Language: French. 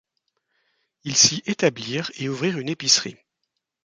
Ils s'y établirent et ouvrirent une épicerie.